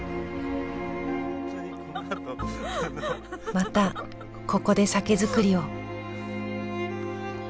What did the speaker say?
またここで酒造りを。